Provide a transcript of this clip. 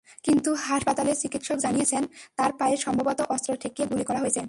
কিন্তু হাসপাতালের চিকিৎসক জানিয়েছেন, তাঁর পায়ে সম্ভবত অস্ত্র ঠেকিয়ে গুলি করা হয়েছে।